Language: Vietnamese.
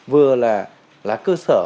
vừa là cơ sở